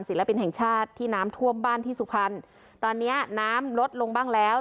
ปินแห่งชาติที่น้ำท่วมบ้านที่สุพรรณตอนเนี้ยน้ำลดลงบ้างแล้ว